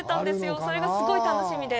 それがすごい楽しみで。